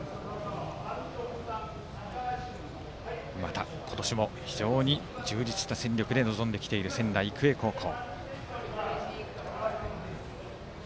また今年も非常に充実した戦力で挑んできている仙台育英高校。